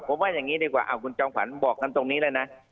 ผมว่าอย่างนี้ดีกว่าคุณจอมขวัญบอกกันตรงนี้เลยนะ